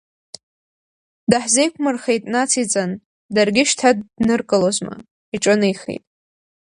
Даҳзеиқәмырхеит, нациҵан, даргьы шьҭа дныркылозма, иҿынеихеит.